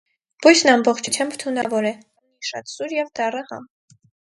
Բույսն ամբողջությամբ թունավոր է, ունի շատ սուր և դառը համ։